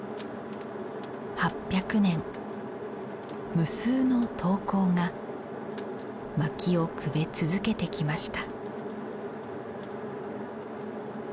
無数の陶工が薪をくべ続けてきました